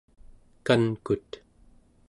kankut